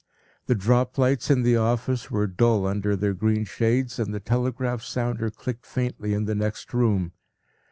The drop lights in the office were dull under their green shades, and the telegraph sounder clicked faintly in the next room.